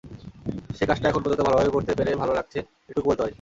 সেই কাজটা এখন পর্যন্ত ভালোভাবে করতে পেরে ভালো লাগছে, এটুকু বলতে পারি।